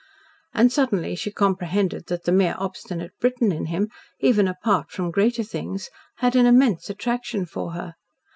And suddenly she comprehended that the mere obstinate Briton in him even apart from greater things had an immense attraction for her.